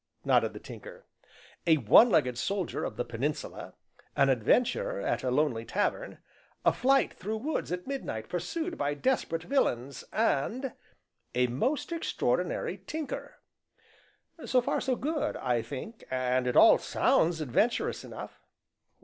nodded the Tinker. " a one legged soldier of the Peninsula, an adventure at a lonely tavern, a flight through woods at midnight pursued by desperate villains, and a most extraordinary tinker. So far so good, I think, and it all sounds adventurous enough."